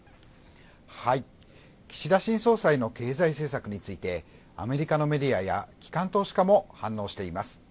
岸田新総裁の経済政策についてアメリカのメディアや機関投資家も反応しています。